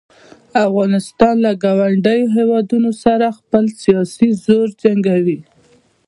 افغانستان له ګاونډیو هیوادونو سره خپل سیاسي زور جنګوي.